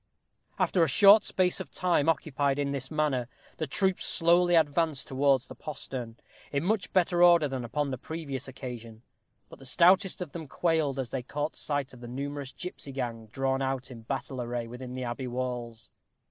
After a short space of time occupied in this manner, the troop slowly advanced towards the postern, in much better order than upon the previous occasion; but the stoutest of them quailed as they caught sight of the numerous gipsy gang drawn out in battle array within the abbey walls.